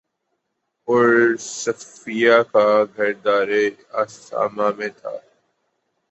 اور صفیہ کا گھر دارِ اسامہ میں تھا